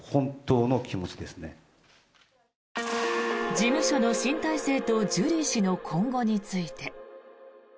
事務所の新体制とジュリー氏の今後について。